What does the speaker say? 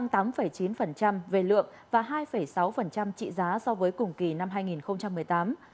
tăng tám chín về lượng và hai sáu trị giá so với cùng kỳ năm hai nghìn một mươi tám